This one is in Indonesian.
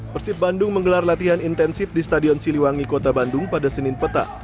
persib bandung menggelar latihan intensif di stadion siliwangi kota bandung pada senin peta